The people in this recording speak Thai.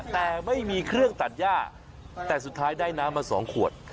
แต่ไม่มีเครื่องตัดย่าแต่สุดท้ายได้น้ำมา๒ขวด